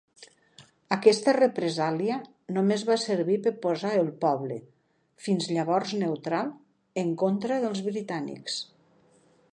Aquesta represàlia només va servir per posar el poble, fins llavors neutral, en contra dels britànics.